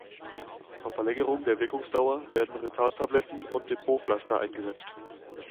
Zur Verlängerung der Wirkungsdauer werden Retard-Tabletten und Depot-Pflaster eingesetzt.